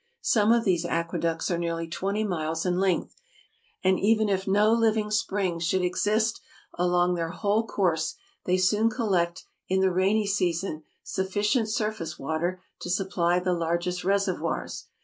Some of these aqueducts are nearly twenty miles in length; and even if no living spring should exist along their whole course, they soon collect in the rainy season sufficient surface water to supply the largest reservoirs.